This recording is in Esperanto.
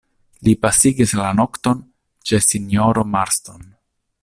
Li pasigis la nokton ĉe sinjoro Marston.